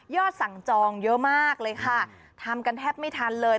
สั่งจองเยอะมากเลยค่ะทำกันแทบไม่ทันเลย